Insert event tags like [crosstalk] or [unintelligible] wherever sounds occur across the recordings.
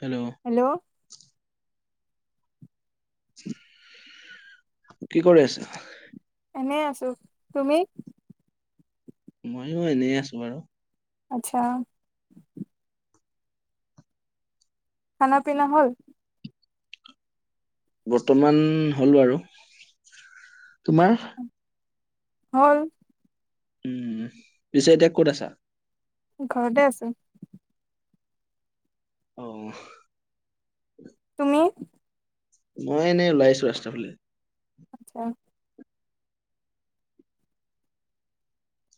Hello. কি কৰি আছা। এনেই আছো তুমি। ময়ো এনেই আছো বাৰু। আচ্ছা। খানা-পিনা হ'ল। বৰ্তমান হ'ল বাৰু তোমাৰ। হ'ল। উম পিছে এতিয়া ক'ত আছা। ঘৰতে আছো অহ। তুমি। মই এনেই ওলাই আহিছো ৰাস্তাৰ ফালে আচ্ছা।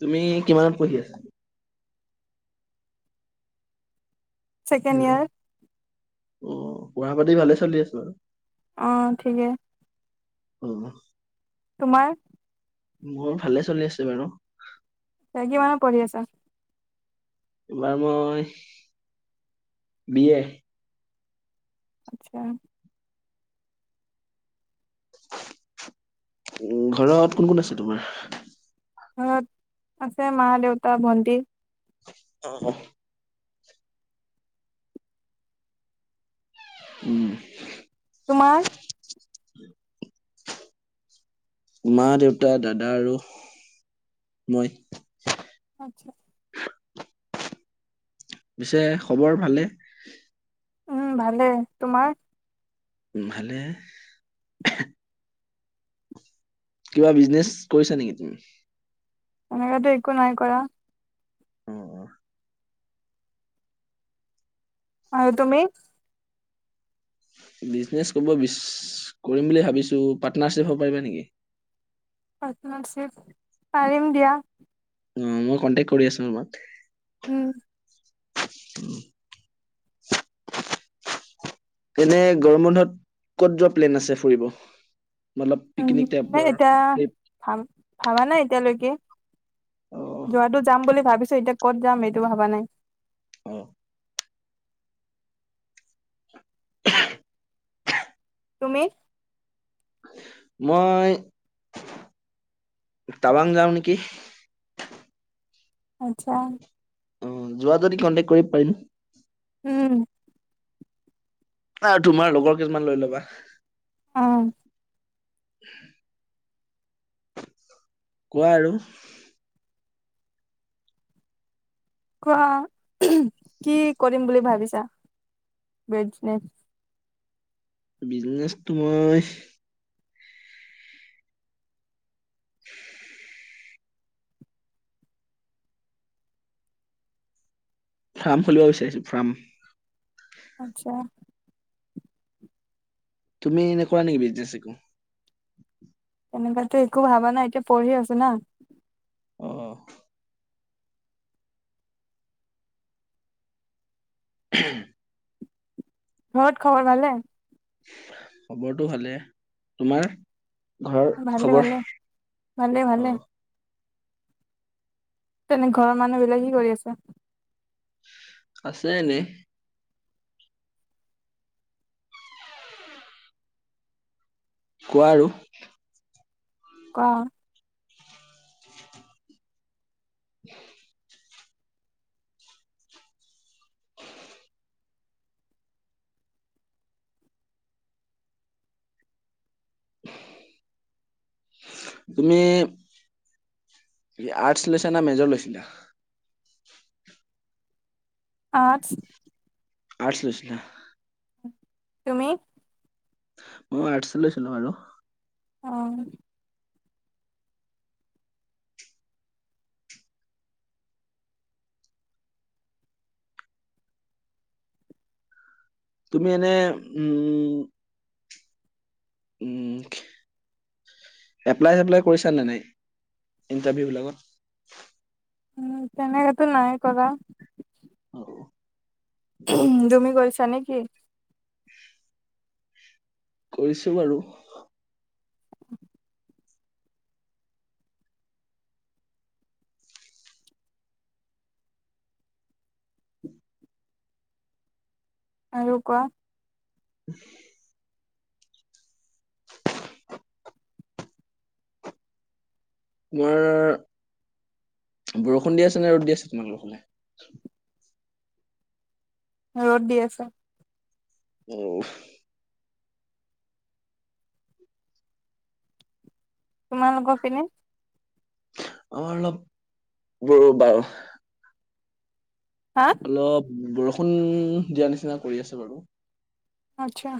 তুমি কিমানত পঢ়ি আছা। চেকেণ্ড হেল্ল' ইয়াৰ। অ' পঢ়া-পাতি ভালে চলি আছে বাৰু। অ' ঠিকে। উম'। তোমাৰ। মোৰ ভালে চলি আছে বাৰু। কিমানত পঢ়ি আছা। এইবাৰ মই বি‌ এ। আচ্ছা। উ ঘৰত কোন, কোন আছে তোমাৰ। ঘৰত আছে মা, দেউতা, ভন্তি। অ' অ,। উম। তোমাৰ? মা, দেউতা, দাদা আৰু মই। [unintelligible] পিছে খবৰ ভালে? উ'ম ভালে, তোমাৰ? উম, ভালে। কিবা বিজনেছ কৰিছা নেকি তুমি? তেনেকেতো একো নাই কৰা। উম, উম। আৰু তুমি? বিজনেছ কৰিব বিচ কৰিম বুলি ভাবিছোঁ। পাৰ্টনাৰশ্বিপ হ'ব পাৰিবা নেকি? পাৰ্টনাৰশ্বিপ, পাৰিম দিয়া। অ মই কনটেক্ট কৰি আছো তোমাক। উম। উম। এনে গৰমবন্ধত ক'ত যোৱা প্লেন আছে ফুৰিব? মতলব পিকনিক উ'ম টাইপৰ এতিয়া ট্ৰিপ ভা, ভাবা নাই। এতিয়ালৈকে অ যোৱাটো যাম বুলি ভাবিছোঁ, এতিয়া ক'ত যাম এইটো ভাবা নাই। অ [unintelligible] তুমি। মই। টাবাং যাওঁ নেকি। আচ্ছা। অ' যোৱা যদি কন্টেক্ট কৰিব পাৰিম। উম। তোমাৰ লগৰ কেইজনমান লৈ ল'বা। অ'। কোৱা আৰু কোৱা কি কৰিম বুলি ভাবিছা। বিজনেচ তো মই। [unintelligible] ফাৰ্ম খুলিব বিচাৰিছো ফাৰ্ম। আচ্ছা। তুমি এনে কৰা নেকি বিজনেচ একো। তেনেকুৱাতো একো ভাবা নাই এতিয়া পঢ়ি আছো না। অ'। ঘৰত খবৰ ভালনে? খবৰটো ভালে তোমাৰ। ঘৰৰ ভালে খবৰ ভালে ভালে ভালে অহ। তেনে ঘৰৰ মানুহ বিলাক কি কৰি আছে। আছে এনে। কোৱা আৰু। কোৱা। [unintelligible] [unintelligible] তুমি আৰ্টছ লৈছা না মেজৰ লৈছিলা? আৰ্টছ আৰ্টছ লৈছিলা। তুমি? মইও আৰ্টছে লৈছিলো বাৰু। [inaudible] তুমি এনে উম উম এপ্লাই-চেপ্লাই কৰিছা নে নাই ইন্টাৰভিউ বিলাকত? উম, তেনে সেইটো নাই কৰা। অ। তুমি কৰিছা নেকি? কৰিছো বাৰু। আৰু কোৱা। [inaudible] তোমাৰ বৰষুণ দি আছে নে ৰ'দ দি আছে তোমাললোকৰ ফালে? ৰ'দ দি আছে। অ। তোমালোকৰ পিনে? আমাৰ অলপ ৰ বাৰু। হা অলপ বৰষুণ দিয়া নিচিনা কৰি আছে বাৰু। আচ্ছা।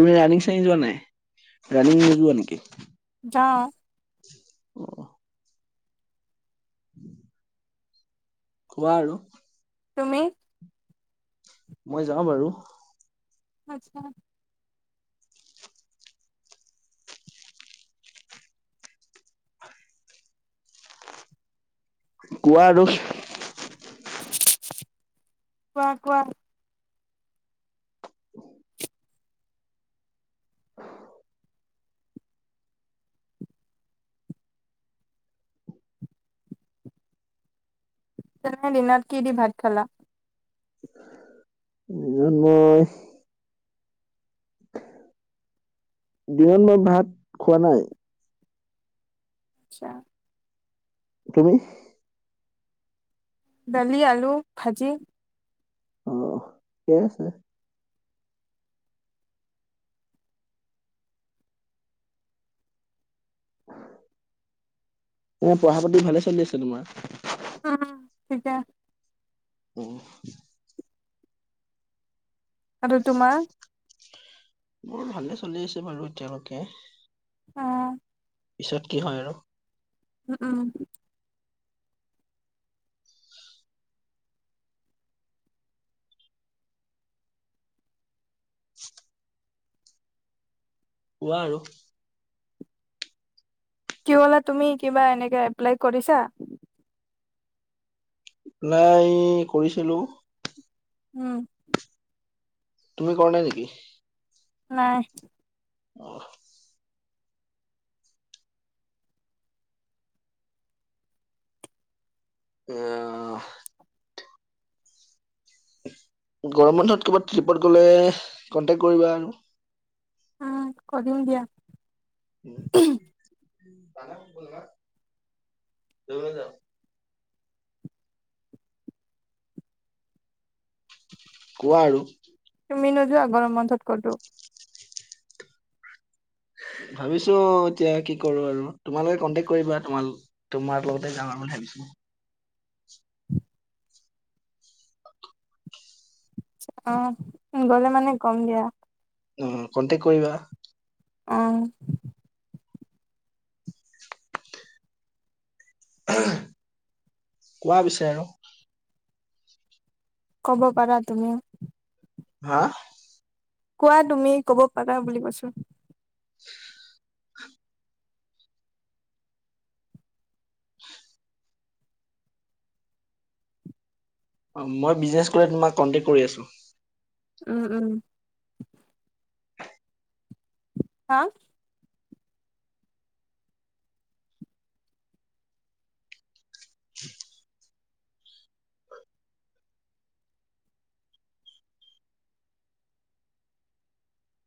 তুমি ৰানিং-চানিং যোৱা নাই, ৰানিং নযোৱা নেকি? যাও অ। [inaudible] কোৱা আৰু। তুমি মই যাওঁ বাৰু। আচ্ছা। কোৱা আৰু। কোৱা-কোৱা। [inaudible] তেনে দিনত কিহেদি ভাত খালা? দিনত মই দিনত মই ভাত খোৱা নাই। আচ্ছা। তুমি? দালি, আলু ভাজি। অ, ঠিকে আছে। এনে পঢ়া-পাতি ভালে চলি আছে তোমাৰ? [inaudible] অহ। আৰু তোমাৰ? মোৰ ভালে চলি আছে বাৰু এতিয়ালৈকে। উম পিছত কি হয় আৰু। উম, উম। [inaudible] কোৱা আৰু। কি হলা তুমি কিবা এনেকে এপ্লাই কৰিছা। নাই কৰিছিলো। উম। তুমি কৰা নাই নেকি। নাই। আহ। ই আহ। গৰম বন্ধত কিবাত ট্ৰিপত গ'লে কন্টেক্ কৰিবা আৰু। অ', কৰিম দিয়া। [unintelligible] কোৱা আৰু। তুমি নোযোৱা গৰম বন্ধত ক'তো। ভাবিছো এতিয়া কি কৰো আৰু তোমালোকে কণ্টেক কৰিবা তোমাৰ তোমাৰ লগতে যাও আ বুলি ভাবিছো। অ', গ'লে মানে কম দিয়া। অ', কণ্টেক কৰিবা। অ'। কোৱা পিছে আৰু। ক'ব পাৰা তুমিও। হা। কোৱা তুমি, ক'ব পাৰা বুলি কৈছো। অ', মই বিজনেছ কৰি তোমাক কণ্টেক কৰি আছোঁ। উম উম। হা।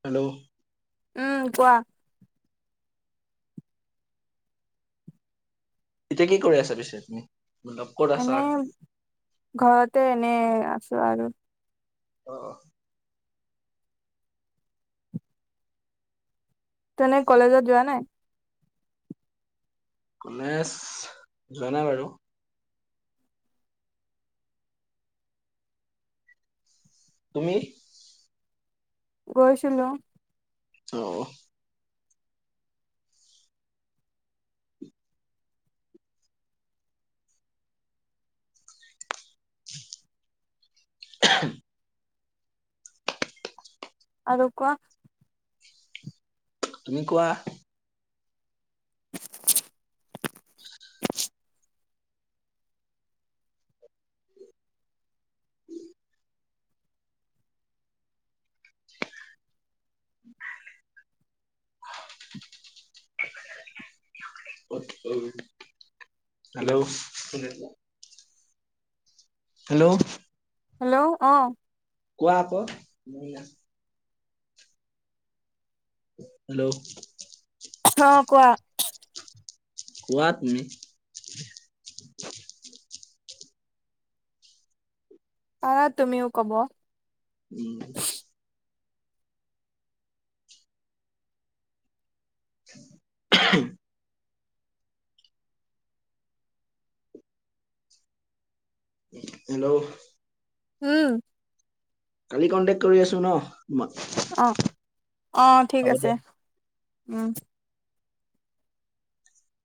হেল্ল'। উম কোৱা। এতিয়া কি কৰি আছা পিছে তুমি? মতলব ক'ত আছা? এনেই, ঘৰতে এনে আছো আৰু। আহ। তেনে কলেজত যোৱা নাই। কলেজ যোৱা নাই বাৰু। তুমি? গৈচিলো। অ'। [inaudible] আৰু কোৱা। তুমি কোৱা। উম। [inaudible] হেল্ল'। হেল্ল'। হেল্ল' আহ। কোৱা আকৌ। হেল্ল'। অ', কোৱা। কোৱা তুমি? আহা তুমিও ক'ব। উম। [inaudible] হেল্ল'। উম। কালি কণ্টেক্ট কৰি আছো ন'। অ', অ', ঠিক হ'ব আছে দিয়া। উম।